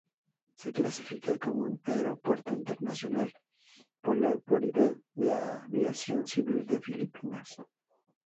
Se clasifica como un aeropuerto internacional por la Autoridad de Aviación Civil de Filipinas.